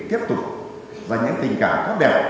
tiếp tục dành những tình cảm tốt đẹp